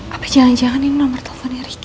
apa jangan jangan ini nomor teleponnya ricky